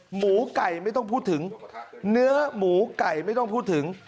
หมูไก่ไม่ต้องพูดถึงเนื้อหมูไก่ไม่ต้องพูดถึง